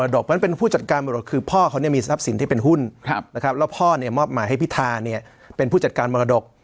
นั้นเป็นผู้จัดการมรดกคือพ่อเขามีทรัพย์สินที่เป็นหุ้นนะครับแล้วพ่อมอบหมายให้พิธาเป็นผู้จัดการมรดก